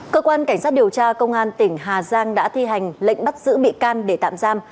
cơ quan cảnh sát điều tra công an tỉnh hà giang đã thi hành lệnh bắt giữ bị can để tạm giam